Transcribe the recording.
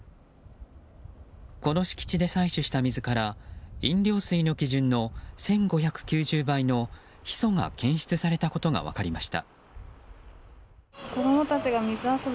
この敷地で採取した水から飲料水の基準の１５９０倍のヒ素が検出されたことが分かりました。